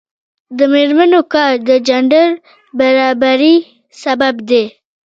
د میرمنو کار د جنډر برابري سبب دی.